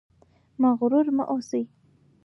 مغرور مه اوسئ